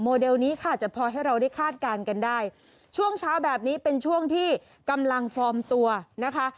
เลนี้ค่ะจะพอให้เราได้คาดการณ์กันได้ช่วงเช้าแบบนี้เป็นช่วงที่กำลังฟอร์มตัวนะคะ